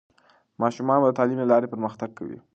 ماشومان به د تعلیم له لارې پرمختګ کوي.